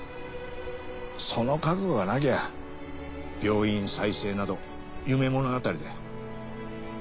その覚悟がなきゃ病院再生など夢物語だ。